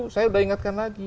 saya sudah ingatkan lagi